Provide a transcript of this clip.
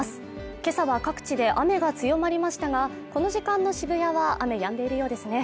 今朝は各地で雨が強まりましたが、この時間の渋谷は雨やんでいるようですね。